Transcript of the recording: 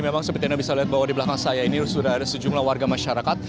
memang seperti anda bisa lihat bahwa di belakang saya ini sudah ada sejumlah warga masyarakat